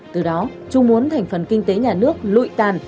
từ đó chúng muốn thành phần kinh tế nhà nước lụi tàn